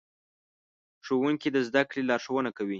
ښوونکي د زدهکړې لارښوونه کوي.